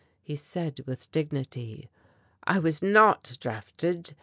he said with dignity. "I was not drafted.